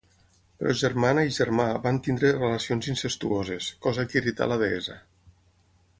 Però germana i germà van tenir relacions incestuoses, cosa que irrità a la deessa.